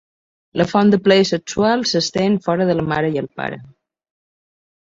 La font de plaer sexual s'estén fora de la mare i el pare.